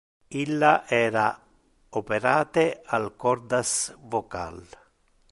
Illa era operate al cordas vocal.